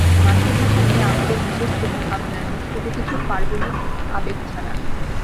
মাতৃভাষা নিয়ে আমাদের বিশেষ কোনো ভাবনা নেই, শুধু কিছু পার্বণিক আবেগ ছাড়া।